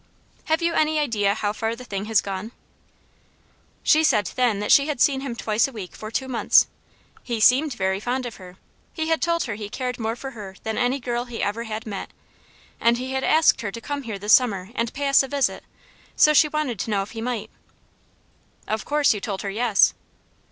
"Have you any idea how far the thing has gone?" "She said then that she had seen him twice a week for two months. He seemed very fond of her. He had told her he cared more for her than any girl he ever had met, and he had asked her to come here this summer and pay us a visit, so she wanted to know if he might." "Of course you told her yes."